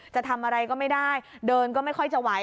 จะทำอะไรก็ไม่ได้เดินก็ไม่ค่อยจะไหว